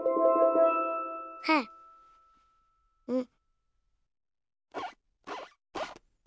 はあうん。